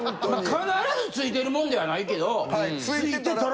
必ず付いてるもんではないけど付いてたら。